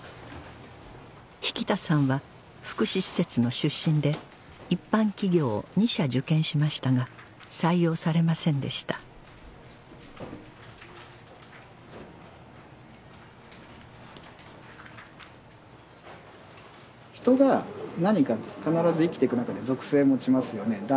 匹田さんは福祉施設の出身で一般企業を２社受験しましたが採用されませんでした人が何か必ず生きていくなかで属性持ちますよね。